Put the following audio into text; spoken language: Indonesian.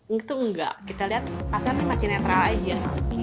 itu enggak kita lihat pasar ini masih netral aja